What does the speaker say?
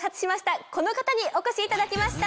この方にお越しいただきました。